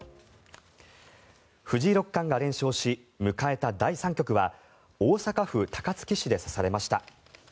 藤井六冠が連勝し迎えた第３局は大阪府高槻市で指されました。